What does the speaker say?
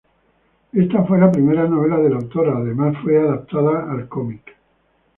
Esta fue la primera novela de la autora, además fue adaptada en cómic.